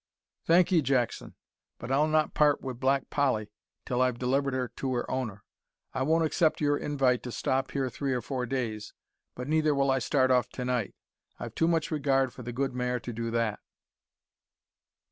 "Thank 'ee, Jackson, but I'll not part wi' Black Polly till I've delivered her to her owner. I won't accept your invite to stop here three or four days, but neither will I start off to night. I've too much regard for the good mare to do that."